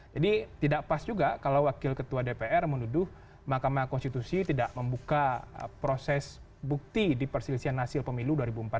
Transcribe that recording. jadi tidak pas juga kalau wakil ketua dpr menuduh mahkamah konstitusi tidak membuka proses bukti di perselisihan hasil pemilu dua ribu empat belas